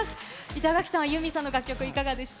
板垣さんはユーミンさんの楽曲、いかがでした？